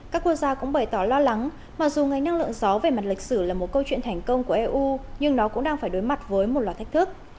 các quốc gia cũng bày tỏ lo lắng mặc dù ngành năng lượng gió về mặt lịch sử là một câu chuyện thành công của eu nhưng nó cũng đang phải đối mặt với một loạt thách thức